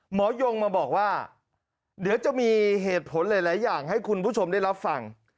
ยงมาบอกว่าเดี๋ยวจะมีเหตุผลหลายอย่างให้คุณผู้ชมได้รับฟัง